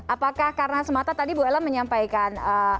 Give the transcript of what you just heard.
apakah karena semata tadi bu ella menyampaikan